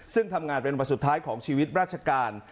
ซึ่งทำงานเป็นวันสุดท้ายของชีวิตราชการ